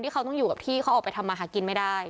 เขาต้องอยู่กับที่เขาออกไปทำมาหากินไม่ได้